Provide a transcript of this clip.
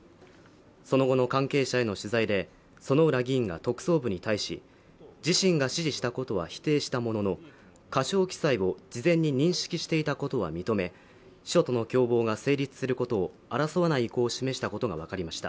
その後の関係者への取材で薗浦議員が特捜部に対し自身が指示したことは否定したものの過少記載を事前に認識していたことは認め秘書との共謀が成立することを争わない意向を示したことが分かりました